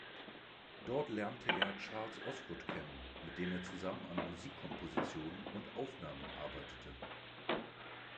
Dort lernte er Charles Osgood kennen, mit dem er zusammen an Musikkompositionen und -aufnahmen arbeitete.